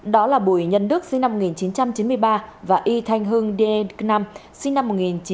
đó là bùi nhân đức sinh năm một nghìn chín trăm chín mươi ba và y thanh hưng di nam sinh năm một nghìn chín trăm chín mươi